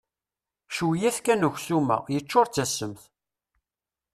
Cwiyya-t kan uksum-a, yeččur d tasemt.